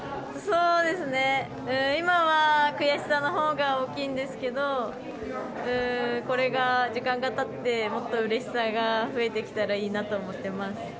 そうですね、今は悔しさのほうが大きいんですけど、これが時間がたって、もっとうれしさが増えてきたらいいなと思ってます。